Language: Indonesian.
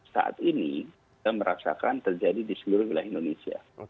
saat ini kita merasakan terjadi di seluruh wilayah indonesia